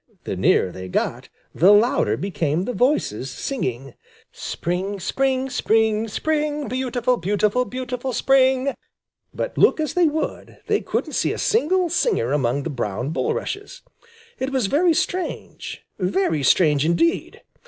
The nearer they got, the louder became the voices singing: "Spring! Spring! Spring! Spring! Beautiful, beautiful, beautiful Spring!" But look as they would, they couldn't see a single singer among the brown bulrushes. It was very strange, very strange indeed!